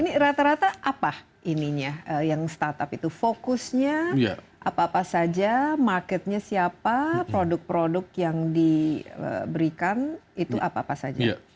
ini rata rata apa ininya yang startup itu fokusnya apa apa saja marketnya siapa produk produk yang diberikan itu apa apa saja